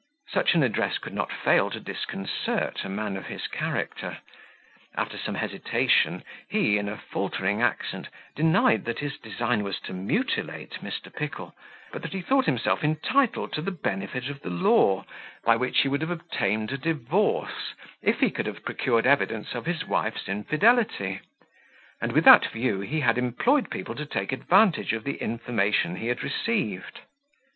Such an address could not fail to disconcert a man of his character. After some hesitation, he, in a faltering accent, denied that his design was to mutilate Mr. Pickle, but that he thought himself entitled to the benefit of the law, by which he would have obtained a divorce, if he could have procured evidence of his wife's infidelity; and, with that view, he had employed people to take advantage of the information he had received.